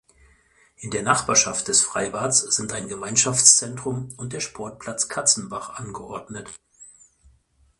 In der Nachbarschaft des Freibads sind ein Gemeinschaftszentrum und der Sportplatz Katzenbach angeordnet.